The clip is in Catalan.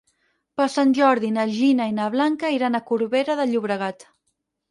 Per Sant Jordi na Gina i na Blanca iran a Corbera de Llobregat.